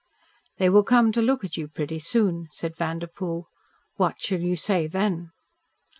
"They will come to look at you pretty soon," said Vanderpoel. "What shall you say then?"